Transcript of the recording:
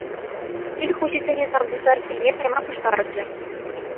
Кил хуҫисене тав туса килне кайма пуҫтарӑнчӗ.